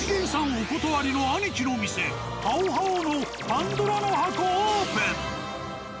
お断りのアニキの店「好好」のパンドラの箱オープン！